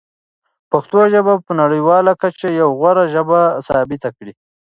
پښتو ژبه په نړیواله کچه یوه غوره ژبه ثابته کړئ.